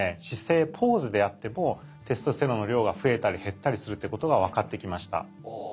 姿勢ポーズであってもテストステロンの量が増えたり減ったりするっていうことが分かってきました。